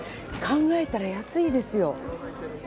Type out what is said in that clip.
考えたら安いですよ。